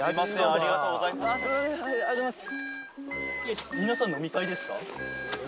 ありがとうございます